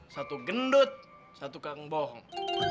satu gendut satu kang bohong